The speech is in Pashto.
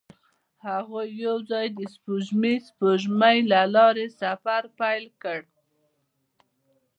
هغوی یوځای د سپوږمیز سپوږمۍ له لارې سفر پیل کړ.